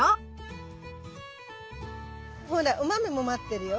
ほらお豆も待ってるよ。